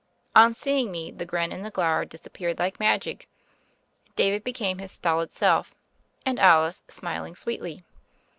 On seeing me, the grin and the glower disappeared like magic, David becoming his stolid self, and Alice smiling sweetly.